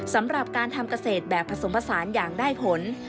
สำหรับการทำเกษตรแบบผสมผสานอย่างได้ผล